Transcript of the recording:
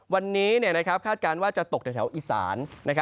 วันนี้คาดการณ์ว่าจะตกแถวอีสาน